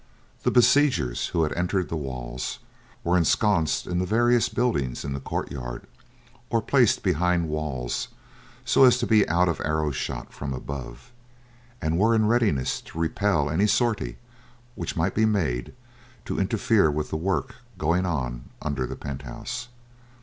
The besiegers who had entered the walls were ensconced in the various buildings in the courtyard or placed behind walls so as to be out of arrow shot from above, and were in readiness to repel any sortie which might be made to interfere with the work going on under the penthouse.